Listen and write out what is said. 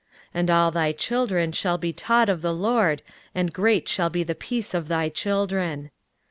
23:054:013 And all thy children shall be taught of the LORD; and great shall be the peace of thy children.